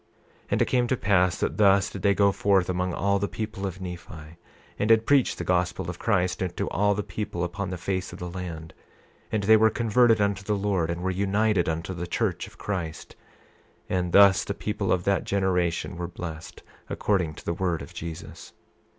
28:23 And it came to pass that thus they did go forth among all the people of Nephi, and did preach the gospel of Christ unto all people upon the face of the land; and they were converted unto the Lord, and were united unto the church of Christ, and thus the people of that generation were blessed, according to the word of Jesus.